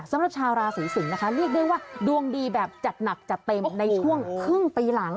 สำหรับชาวราศีสิงศ์นะคะเรียกได้ว่าดวงดีแบบจัดหนักจัดเต็มในช่วงครึ่งปีหลัง